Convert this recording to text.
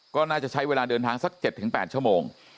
ก็น่าจะใช้เวลาเดินทางสัก๗๘ชั่วโมง